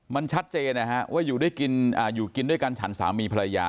มันชัดเจนนะฮะว่าอยู่กินด้วยกันฉันสามีภรรยา